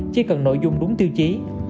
chỉ cần nội dung đúng tiêu chí